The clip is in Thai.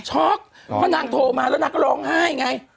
็อกเพราะนางโทรมาแล้วนางก็ร้องไห้ไง